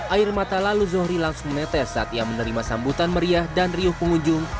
air mata lalu zohri langsung menetes saat ia menerima sambutan meriah dan riuh pengunjung